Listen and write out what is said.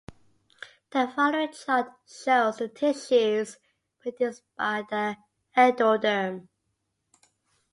The following chart shows the tissues produced by the endoderm.